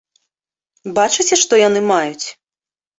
Бачыце, што яны маюць!